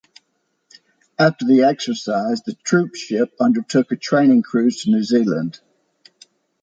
After the exercise, the troopship undertook a training cruise to New Zealand.